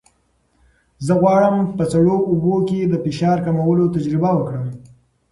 زه غواړم په سړو اوبو کې د فشار کمولو تجربه وکړم.